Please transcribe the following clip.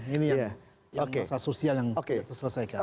ini ya yang sosial yang harus diselesaikan